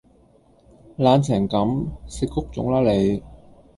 懶成咁！食谷種啦你